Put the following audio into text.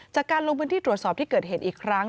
จากการลงพื้นที่ตรวจสอบที่เกิดเหตุอีกครั้ง